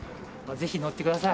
ぜひ乗ってください。